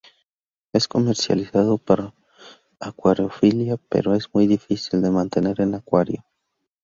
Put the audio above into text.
Es comercializado para acuariofilia, pero es muy difícil de mantener en acuario.